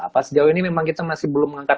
apa sejauh ini memang kita masih belum mengangkat